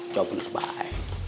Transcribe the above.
jawab bener baik